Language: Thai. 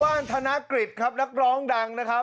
ธนกฤษครับนักร้องดังนะครับ